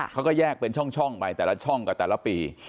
เขาก็แยกเป็นช่องไปแต่ละช่องกับแต่ละปี